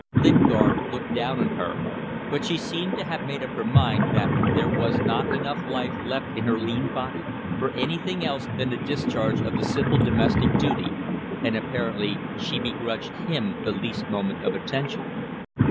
Lingard looked down on her, but she seemed to have made up her mind that there was not enough life left in her lean body for anything else than the discharge of the simple domestic duty, and, apparently, she begrudged him the least moment of attention.